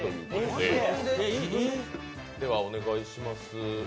では、お願いします。